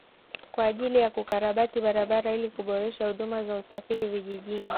Kwa ajili ya kukarabati barabara ili kuboresha huduma za usafiri vijijini